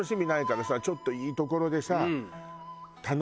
ちょっといいところでさ頼んでさ